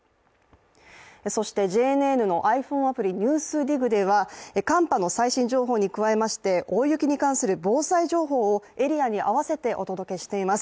そしてＪＮＮのｉＰｈｏｎｅアプリ「ＮＥＷＳＤＩＧ」では、寒波の最新情報に加えまして大雪に関する防災情報をエリアに合わせてお届けしています。